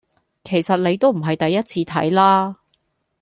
其實你都唔係第一次睇啦